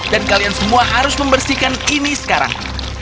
kalian semua harus membersihkan ini sekarang